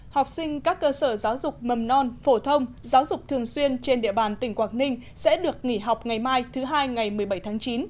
học sinh các cơ sở giáo dục mầm non phổ thông giáo dục thường xuyên trên địa bàn tỉnh quảng ninh sẽ được nghỉ học ngày mai thứ hai ngày một mươi bảy tháng chín